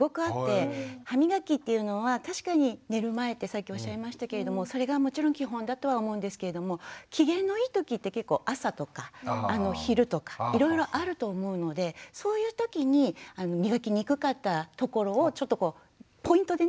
歯みがきっていうのは確かに寝る前ってさっきおっしゃいましたけれどもそれがもちろん基本だとは思うんですけれども機嫌のいいときって結構朝とか昼とかいろいろあると思うのでそういうときに磨きにくかったところをちょっとこうポイントでね。